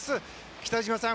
北島さん